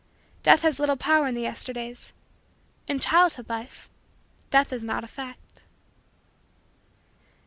Death has little power in the Yesterdays. In childhood life, Death is not a fact.